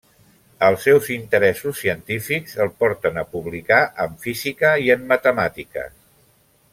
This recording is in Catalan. Els seus interessos científics el porten a publicar en física i en matemàtiques.